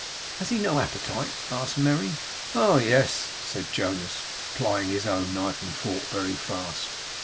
'Has he no appetite?' asked Merry. 'Oh, yes,' said Jonas, plying his own knife and fork very fast.